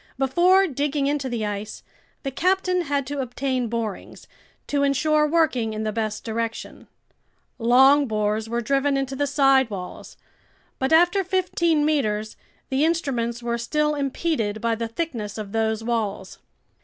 Before digging into the ice, the captain had to obtain borings, to insure working in the best direction. Long bores were driven into the side walls; but after fifteen meters, the instruments were still impeded by the thickness of those walls.